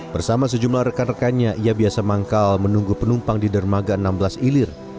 bersama sejumlah rekan rekannya ia biasa manggal menunggu penumpang di dermaga enam belas ilir